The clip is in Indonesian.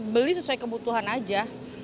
beli sesuai kebutuhan aja